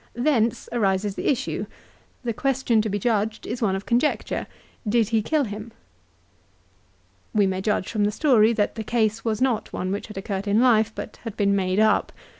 Thence arises the issue. The question to be judged is one of conjecture. " Did he kill him ?" l We may judge from the story that the case was not one which had occurred in life, but had been made up.